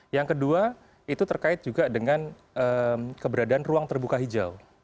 yang kedua itu terkait juga dengan keberadaan ruang terbuka hijau